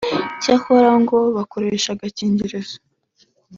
cyakora ngo bakoresha agakigirizo